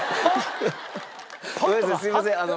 すいませんあの。